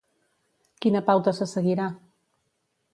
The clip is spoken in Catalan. Quina pauta se seguirà?